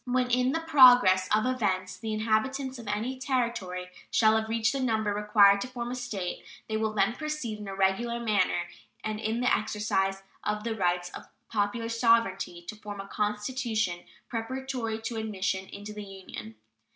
When in the progress of events the inhabitants of any Territory shall have reached the number required to form a State, they will then proceed in a regular manner and in the exercise of the rights of popular sovereignty to form a constitution preparatory to admission into the Union.